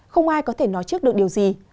không ai có thể nói trước được điều gì